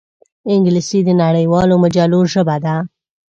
انګلیسي د نړیوالو مجلو ژبه ده